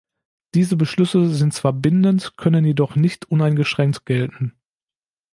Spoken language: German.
Diese Beschlüsse sind zwar bindend, können jedoch nicht uneingeschränkt gelten.